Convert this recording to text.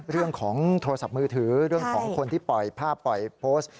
เรื่องของโทรศัพท์มือถือเรื่องของคนที่ปล่อยภาพปล่อยโพสต์